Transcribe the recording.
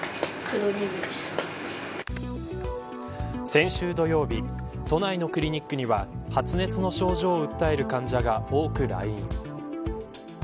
先週土曜日都内のクリニックには発熱の症状を訴える患者が多く来院。